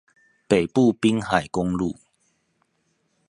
北部濱海公路